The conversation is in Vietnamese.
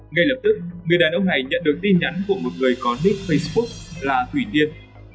ngay lập tức người đàn ông này nhận được tin nhắn của một người có nick facebook là thủy tiên